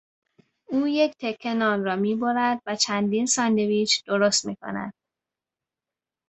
او یک تکه نان را میبرد و چندین ساندویچ درست میکند.